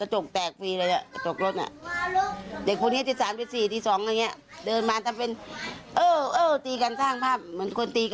เหมือนคนตีกันอย่างนี้